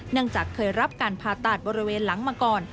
จากเคยรับการผ่าตัดบริเวณหลังมาก่อน